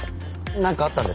何かあったんですか？